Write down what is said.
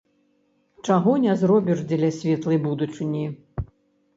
Чаго не зробіш дзеля светлай будучыні?